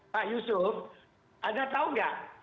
pak yusuf anda tahu nggak